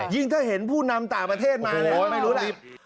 ยิ่งถ้าเห็นผู้นำต่างประเทศมาไม่รู้แหละ